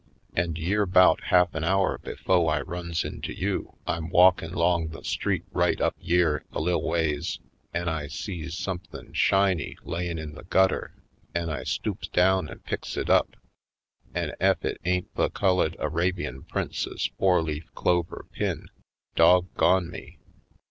An' yere 'bout half an hour befo' I runs into you, I'm walkin' 'long the street right up yere a lil' ways, an' I sees somethin' shiny layin' in the gutter an' I stoops down an' picks it up, an' ef it ain't the Cullid Arabian Prince's four leaf clover pin, dog gone me!